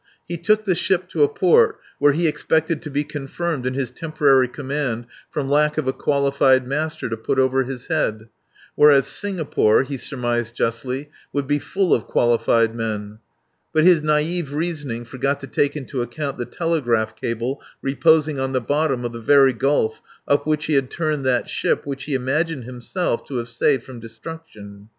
He took the ship to a port where he expected to be confirmed in his temporary command from lack of a qualified master to put over his head. Whereas Singapore, he surmised justly, would be full of qualified men. But his naive reasoning forgot to take into account the telegraph cable reposing on the bottom of the very Gulf up which he had turned that ship which he imagined himself to have saved from destruction.